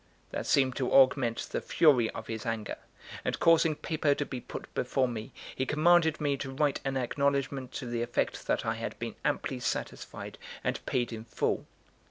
That seemed to augment the fury of his anger; and causing paper to be put before me, he commanded me to write an acknowledgment to the effect that I had been amply satisfied and paid in full.